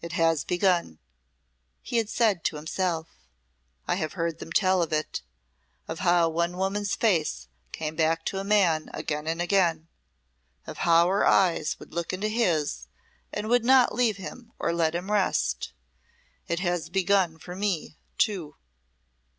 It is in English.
"It has begun," he had said to himself. "I have heard them tell of it of how one woman's face came back to a man again and again, of how her eyes would look into his and would not leave him or let him rest. It has begun for me, too."